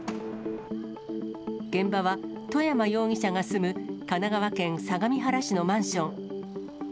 現場は、外山容疑者が住む神奈川県相模原市のマンション。